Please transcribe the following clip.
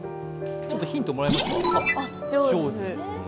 ちょっとヒントもらえますか？